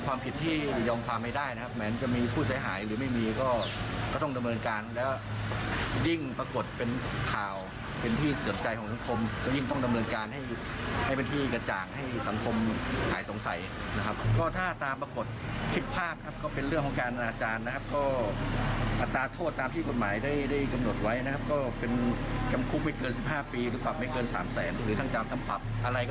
การนั้นมีเรื่องครอบครับ